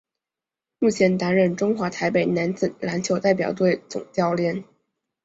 目前担任中华台北男子篮球代表队总教练。